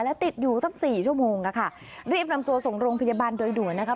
และติดอยู่ตั้งสี่ชั่วโมงอะค่ะรีบนำตัวส่งโรงพยาบาลโดยด่วนนะคะ